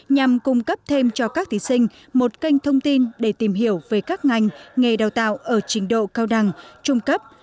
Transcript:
nhằm cung cấp thêm cho các thí sinh một kênh thông tin để tìm hiểu về các ngành nghề đào tạo ở trình độ cao đẳng trung cấp